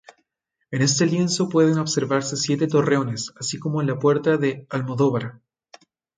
En este lienzo pueden observarse siete torreones así como la puerta de Almodóvar.